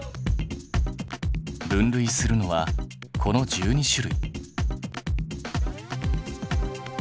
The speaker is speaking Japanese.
分類するのはこの１２種類。